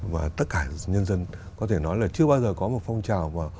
và tất cả nhân dân có thể nói là chưa bao giờ có một phong trào